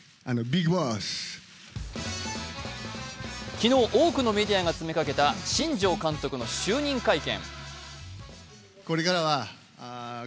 昨日、多くのメディアが詰めかけた新庄監督の就任会見。